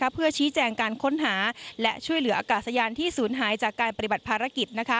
เพื่อชี้แจงการค้นหาและช่วยเหลืออากาศยานที่ศูนย์หายจากการปฏิบัติภารกิจ